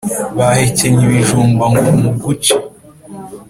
Bahekenye ibijumba ngo muguci